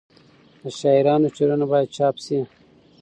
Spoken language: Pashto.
د شاعرانو شعرونه باید چاپ سي.